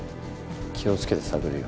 気を付けて探るよ。